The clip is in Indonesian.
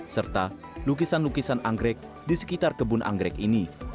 serta lukisan lukisan anggrek di sekitar kebun anggrek ini